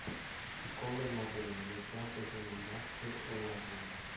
Il collo è marrone, le zampe sono olivastre o marroni.